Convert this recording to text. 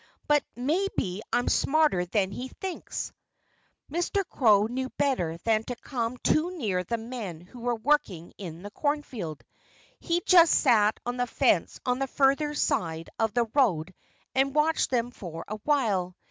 But maybe I'm smarter than he thinks!" Mr. Crow knew better than to come too near the men who were working in the cornfield. He just sat on the fence on the further side of the road and watched them for a while.